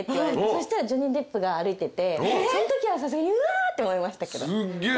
そしたらジョニー・デップが歩いててそんときはさすがに「うわ！」って思いましたけど。